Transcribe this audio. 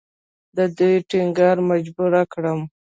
د دوی ټینګار مجبوره کړم.